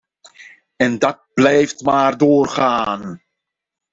En dat blijft maar doorgaan.